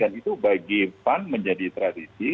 dan itu bagi pan menjadi tradisi